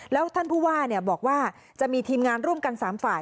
แล้วท่านผู้ว่าบอกว่าจะมีทีมงานร่วมกัน๓ฝ่าย